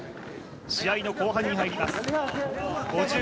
試合の後半に入ります。